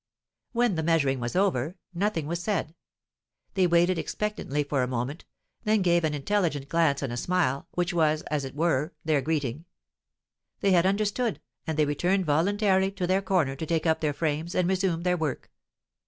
When the measuring was over, nothing was said; they waited expectantly for a moment, then gave an intelligent glance and a smile, which was, as it were, their greeting; they had understood, and they returned voluntarily to their corner to take up their frames and resume their work.